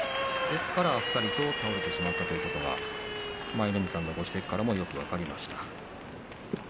ですからあっさり倒れてしまったということが舞の海さんのご指摘からも分かりました。